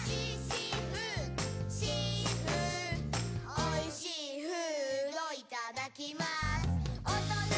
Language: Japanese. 「おいしーフードいただきます」